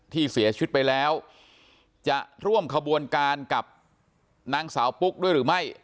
ที่เสียชีวิตไปแล้วจะร่วมขบวนการกับนางสาวปุ๊กด้วยหรือไม่